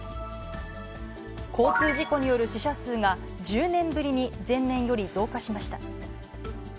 交通事故による死者数が、１０年ぶりに前年より増加しました。